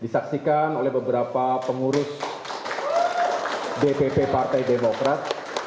disaksikan oleh beberapa pengurus dpp partai demokrat